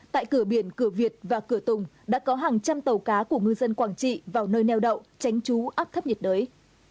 tại cửa biển cửa việt và cửa tùng đã có hàng trăm tàu cá của ngư dân quảng trị vào nơi neo đậu tránh trú áp thấp nhiệt đới